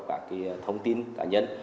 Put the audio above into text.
các thông tin cá nhân